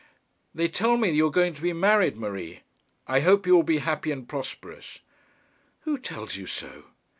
'They tell me you are going to be married, Marie. I hope you will be happy and prosperous.' 'Who tells you so?'